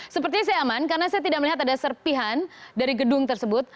sepertinya saya aman karena saya tidak melihat ada serpihan dari gedung tersebut